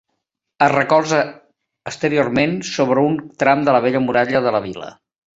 Es recolza exteriorment sobre un tram de la vella muralla de la Vila.